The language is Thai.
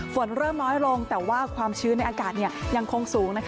ฝนเริ่มน้อยลงแต่ว่าความชื้นในอากาศยังคงสูง